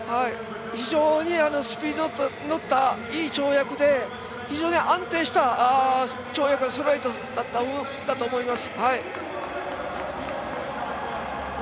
非常にスピードに乗ったいい跳躍で非常に安定した跳躍をそろえてきたと思います。